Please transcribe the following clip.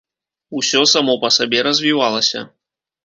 Усё само па сабе развівалася.